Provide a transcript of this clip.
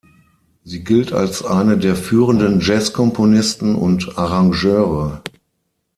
Sie gilt als eine der führenden Jazz-Komponisten und Arrangeure.